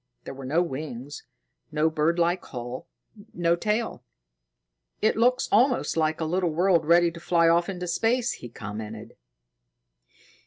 There were no wings, no birdlike hull, no tail. "It looks almost like a little world ready to fly off into space," he commented.